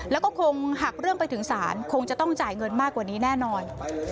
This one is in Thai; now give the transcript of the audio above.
แล้วก็คงหักเรื่องไปถึงศาลคงจะต้องจ่ายเงินมากกว่านี้แน่นอน